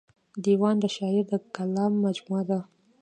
دېوان د شاعر د کلام مجموعه ده.